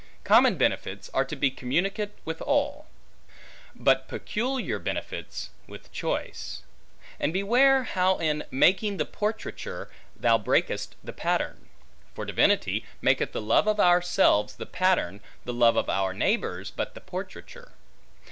Common benefits, are to be communicate with all; but peculiar benefits, with choice. And beware how in making the portraiture, thou breakest the pattern. For divinity, maketh the love of ourselves the pattern; the love of our neighbors, but the portraiture.